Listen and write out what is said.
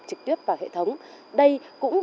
trực tiếp vào hệ thống đây cũng